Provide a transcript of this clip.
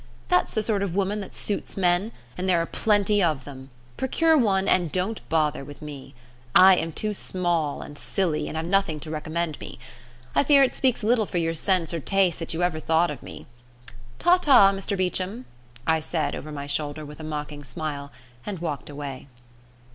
That's the sort of woman that suits men, and there are plenty of them; procure one, and don't bother with me. I am too small and silly, and have nothing to recommend me. I fear it speaks little for your sense or taste that you ever thought of me. Ta ta, Mr Beecham," I said over my shoulder with a mocking smile, and walked away.